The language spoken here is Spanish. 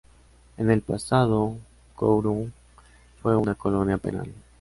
En el pasado, Kourou fue una colonia penal.